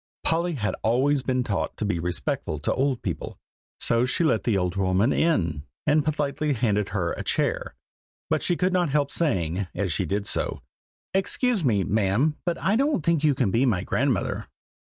Polly had always been taught to be respectful to old people, so she let the old woman in, and politely handed her a chair; but she could not help saying, as she did so, "excuse me, ma'am, but I don't think you can be my grandmother."